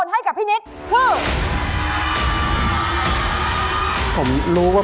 ช่วยฝังดินหรือกว่า